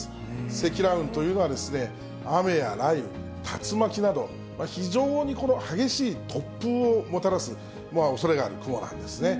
積乱雲というのは、雨や雷雨、竜巻など、非常に激しい突風をもたらすおそれがある雲なんですね。